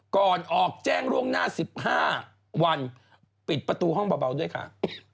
ก่อนออกแจ้งล่วงหน้า๑๕วันปิดประตูห้องเบาด้วยค่ะ